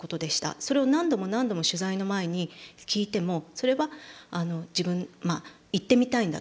それを何度も何度も取材の前に聞いてもそれは行ってみたいんだと。